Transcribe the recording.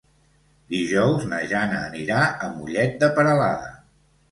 Dijous na Jana anirà a Mollet de Peralada.